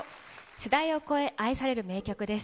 世代を超え愛される名曲です。